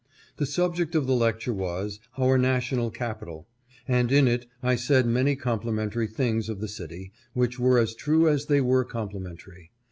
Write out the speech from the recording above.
The subject of the lecture was, " Our National Capital," and in it I said many complimentary things of the city, which were as true as they were complimentary.